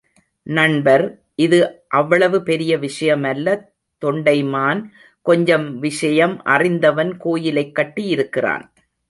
நண்பர், இது அவ்வளவு பெரிய விஷயமல்ல தொண்டைமான், கொஞ்சம் விஷயம் அறிந்தவன் கோயிலைக் கட்டி இருக்கிறான்.